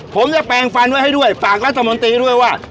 ผมจะแปลงฟันไว้ให้ด้วยฝากรัฐมนตรีด้วยว่า